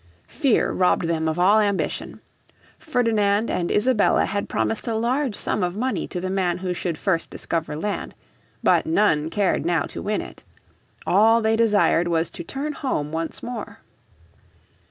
Fear robbed them of all ambition. Ferdinand and Isabella had promised a large sum of money to the man who should first discover land. But none cared now to win it. All they desired was to turn home once more.